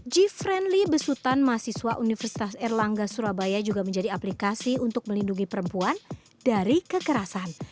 g friendly besutan mahasiswa universitas erlangga surabaya juga menjadi aplikasi untuk melindungi perempuan dari kekerasan